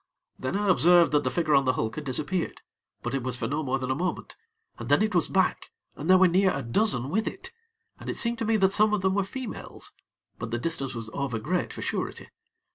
Then, I observed that the figure on the hulk had disappeared; but it was for no more than a moment, and then it was back and there were near a dozen with it, and it seemed to me that some of them were females; but the distance was over great for surety.